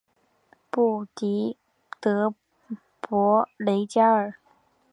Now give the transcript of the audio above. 布迪德博雷加尔。